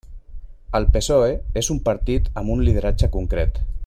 El PSOE és un partit amb un lideratge concret.